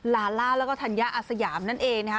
ลาล่าแล้วก็ธัญญาอาสยามนั่นเองนะคะ